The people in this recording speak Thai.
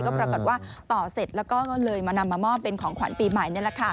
ปรากฏว่าต่อเสร็จแล้วก็ก็เลยมานำมามอบเป็นของขวัญปีใหม่นี่แหละค่ะ